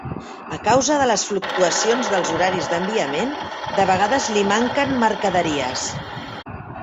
A causa de les fluctuacions dels horaris d'enviament, de vegades li manquen mercaderies.